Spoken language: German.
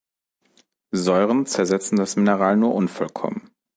Säuren zersetzen das Mineral nur unvollkommen.